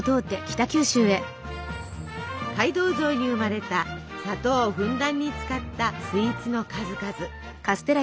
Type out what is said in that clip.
街道沿いに生まれた砂糖をふんだんに使ったスイーツの数々。